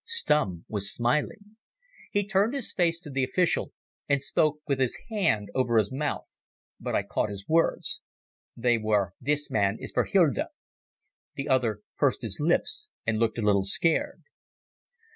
Stumm was smiling. He turned his face to the official and spoke with his hand over his mouth, but I caught his words. They were: "This is the man for Hilda." The other pursed his lips and looked a little scared.